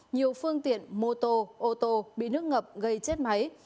nhiều phương tiện mô tô ô tô bị nước ngập gây chết máy